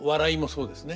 そうですね。